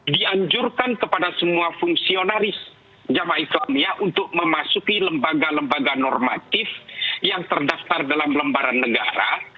dianjurkan kepada semua fungsionaris jamaah islamia untuk memasuki lembaga lembaga normatif yang terdaftar dalam lembaran negara